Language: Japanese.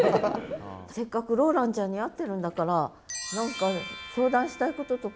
せっかくローランちゃんに会ってるんだから何か相談したいこととか。